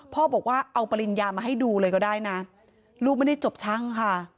บอกว่าเอาปริญญามาให้ดูเลยก็ได้นะลูกไม่ได้จบช่างค่ะ